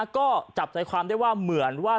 ก็จับใจความได้ว่าเหมือนว่า